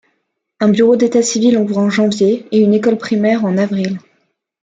Un bureau d'état-civil ouvre en janvier, et une école primaire en avril.